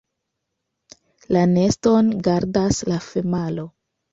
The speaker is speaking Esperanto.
La neston gardas la femalo.